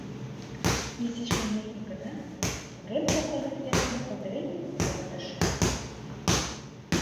Изиш лиймеке гына, урем капка йӱк эркын кылдырдиҥ шоктыш.